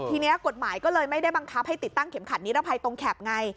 ทีนี้กฎหมายก็เลยไม่ได้บังคับให้ติดตั้งเข็มขัดนิรภัยตรงแข็บไง